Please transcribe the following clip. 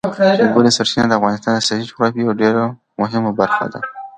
ژورې سرچینې د افغانستان د سیاسي جغرافیې یوه ډېره مهمه برخه ده.